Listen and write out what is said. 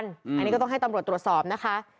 อันนี้ก็ต้องให้ตำรวจตรวจสอบนะคะ